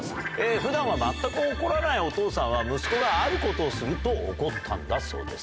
ふだんは全く怒らないお父さんは、息子があることをすると、怒ったんだそうです。